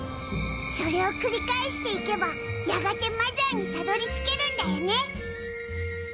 それを繰り返していけばやがてマザーにたどり着けるんだよね？